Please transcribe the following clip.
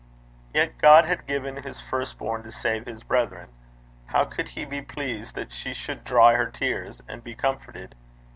Yet God had given his first born to save his brethren: how could he be pleased that she should dry her tears and be comforted?